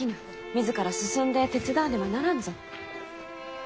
自ら進んで手伝わねばならんぞ。